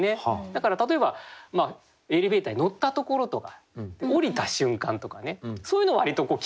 だから例えばエレベーターに乗ったところとか降りた瞬間とかねそういうのを割と切り取ることが多いんですけど。